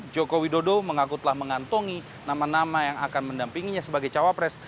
joko widodo mengaku telah mengantongi nama nama yang akan mendampinginya sebagai cawapres